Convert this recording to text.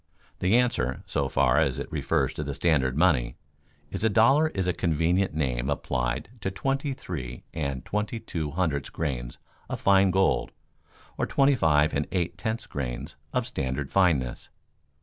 The answer, so far as it refers to the standard money, is: a dollar is a convenient name applied to twenty three and twenty two hundredths grains of fine gold or twenty five and eight tenths grains of standard fineness.